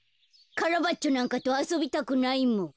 カラバッチョなんかとあそびたくないもん。